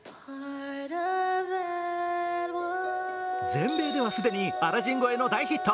全米では既に「アラジン」超えの大ヒット。